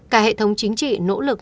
cả hệ thống chính trị nỗ lực